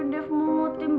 udah pulang ya ampun